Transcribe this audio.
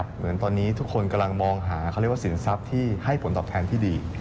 เหมือนตอนนี้ทุกคนกำลังมองหาเขาเรียกว่าสินทรัพย์ที่ให้ผลตอบแทนที่ดี